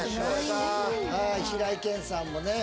はい平井堅さんもね